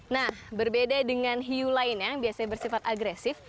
nah berbeda dengan hiu lainnya yang biasanya bersifat agresif